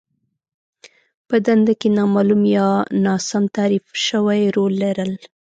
په دنده کې نامالوم يا ناسم تعريف شوی رول لرل.